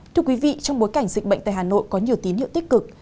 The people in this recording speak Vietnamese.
thưa quý vị trong bối cảnh dịch bệnh tại hà nội có nhiều tín hiệu tích cực